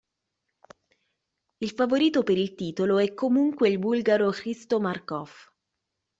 Il favorito per il titolo è comunque il bulgaro Hristo Markov.